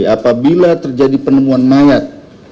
apabila terjadi penemuan mayat